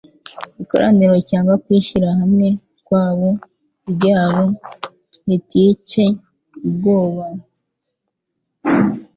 Ikoraniro cyangwa kwishyira hamwe kwabo ryabo ritcye ubwoba,